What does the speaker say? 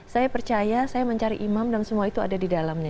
saya percaya saya mencari imam dan semua itu ada di dalamnya